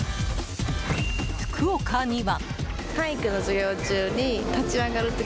福岡には。